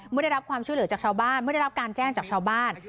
ไม่ได้รับความช่วยเหลือจากชาวบ้านไม่ได้รับการแจ้งจากชาวบ้าน